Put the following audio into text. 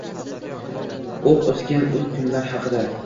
Oʻq uzgan ul kunlar haqida.